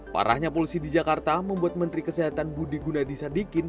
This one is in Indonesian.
parahnya polusi di jakarta membuat menteri kesehatan budi gunadisadikin